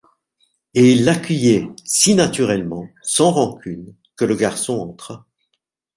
Et il l’accueillait si naturellement, sans rancune, que le garçon entra.